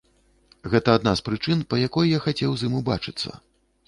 Гэта адна з прычын, па якой я хацеў з ім убачыцца.